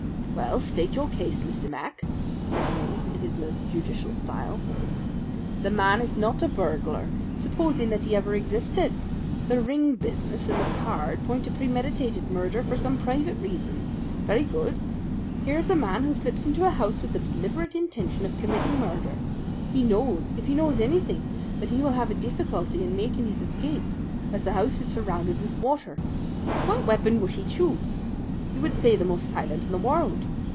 "Well, state your case, Mr. Mac," said Holmes in his most judicial style. "The man is not a burglar, supposing that he ever existed. The ring business and the card point to premeditated murder for some private reason. Very good. Here is a man who slips into a house with the deliberate intention of committing murder. He knows, if he knows anything, that he will have a deeficulty in making his escape, as the house is surrounded with water. What weapon would he choose? You would say the most silent in the world.